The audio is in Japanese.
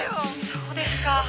「そうですか」